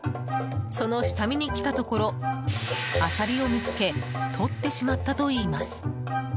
その下見に来たところアサリを見つけとってしまったといいます。